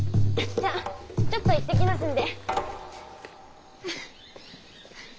じゃあちょっと行ってきますんで。ハァハァ。